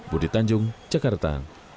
budi tanjung jakarta